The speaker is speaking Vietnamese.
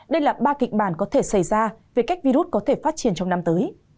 đây là ba kịch bản có thể xảy ra về cách virus có thể phát triển trong năm tới